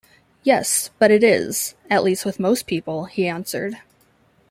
“Yes, but it is — at least with most people,” he answered.